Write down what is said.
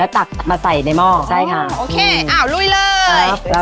ตักมาใส่ในหม้อใช่ค่ะโอเคอ้าวลุยเลย